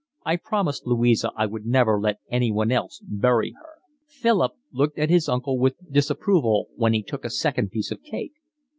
I promised Louisa I would never let anyone else bury her." Philip looked at his uncle with disapproval when he took a second piece of cake.